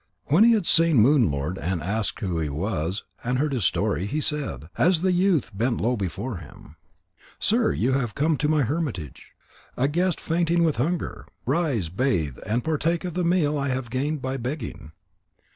When he had seen Moon lord and asked who he was and heard his story, he said, as the youth bent low before him: "Sir, you have come to my hermitage, a guest fainting with hunger. Rise, bathe, and partake of the meal I have gained by begging."